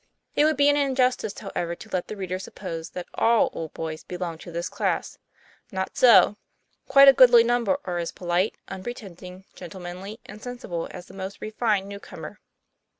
It would be an injustice, however, to let the reader suppose that all old boys belong to this class. Not so ; quite a goodly number are as polite, unpretending, gentlemanly, and sensible as the most refined new comer.